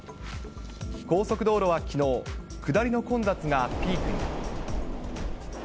高速道路はきのう、下りの混雑がピークに。